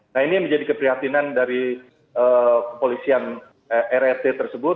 nah ini menjadi keprihatinan dari kepolisian rrt tersebut